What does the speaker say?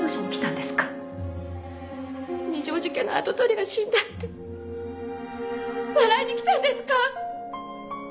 二条路家の跡取りが死んだって笑いに来たんですか？